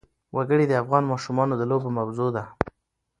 وګړي د افغان ماشومانو د لوبو موضوع ده.